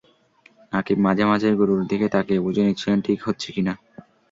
নাকিব মাঝে মাঝেই গুরুর দিকে তাকিয়ে বুঝে নিচ্ছিলেন, ঠিক হচ্ছে কিনা।